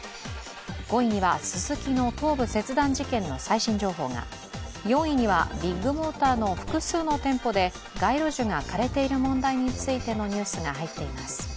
５位にはススキノ頭部切断事件の最新情報が、４位には、ビッグモーターの複数の店舗で街路樹が枯れている問題についてのニュースが入っています。